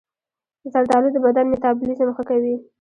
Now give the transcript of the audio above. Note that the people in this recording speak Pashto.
زردآلو د بدن میتابولیزم ښه کوي.